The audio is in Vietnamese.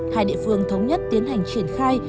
hai địa phương thống nhất tiến hành triển khai